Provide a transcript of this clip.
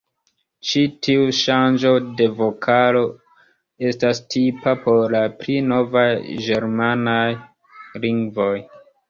Ĉi tiu ŝanĝo de vokalo estas tipa por la pli novaj ĝermanaj lingvoj.